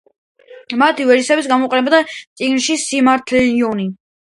მათი ვერსიები გამოქვეყნდა წიგნში „სილმარილიონი“.